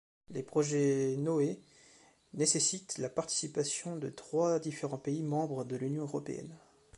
Les projets NoE nécessitent la participation de trois différents pays membre de l’Union Européenne.